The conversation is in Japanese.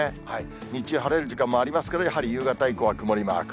日中、晴れる時間もありますけれども、やはり夕方以降は曇りマーク。